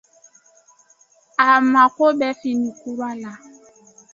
A mako bɛ fini kura la.